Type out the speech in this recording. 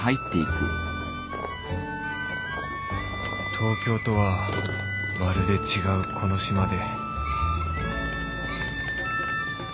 東京とはまるで違うこの島で